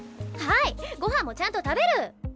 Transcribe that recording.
ご飯もちゃんと食べる！